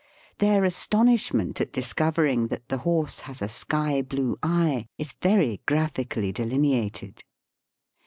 Their astonishment at discovering that the horse has a sky blue eye is very graphically deline ated.